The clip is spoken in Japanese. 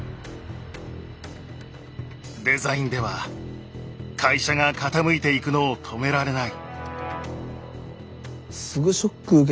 デザインでは会社が傾いていくのを止められない。